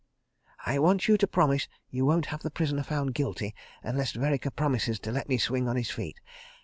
"I want you to promise you won't have the prisoner found Guilty unless Vereker promises to let me swing on his feet.